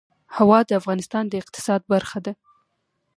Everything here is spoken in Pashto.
هوا د افغانستان د اقتصاد برخه ده.